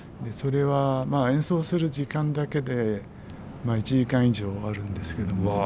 それは演奏する時間だけで１時間以上あるんですけども。